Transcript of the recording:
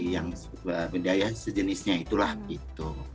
yang mendayakan sejenisnya itulah gitu